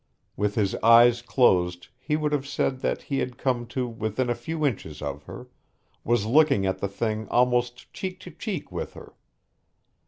With his eyes closed he would have said that he had come to within a few inches of her, was looking at the thing almost cheek to cheek with her.